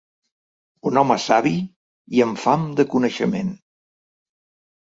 Un home savi i amb fam de coneixement.